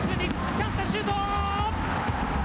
チャンスだ、シュート！